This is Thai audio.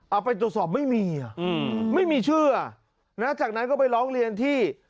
เอาไปตรวจสอบไม่มีอ่ะอืมไม่มีเชื่อนะจากนั้นก็ไปร้องเรียนที่